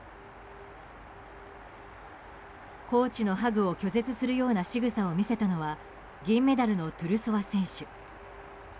コーチのハグを拒絶するようなしぐさを見せたのは銀メダルのトゥルソワ選手。